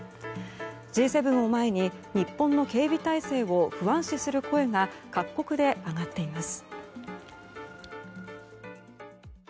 Ｇ７を前に日本の警備体制を不安視する声が各国で上がっています。